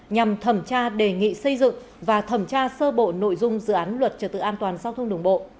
nhằm thẩm tra đề nghị xây dựng và thẩm tra sơ bộ nội dung dự án luật trật tự an toàn sau thương đồng bộ